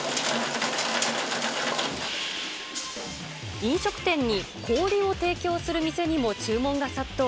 飲食店に氷を提供する店にも注文が殺到。